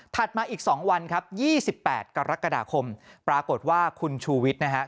มาอีก๒วันครับ๒๘กรกฎาคมปรากฏว่าคุณชูวิทย์นะฮะ